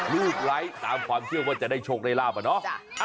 ไร้ตามความเชื่อว่าจะได้โชคได้ลาบอะเนาะ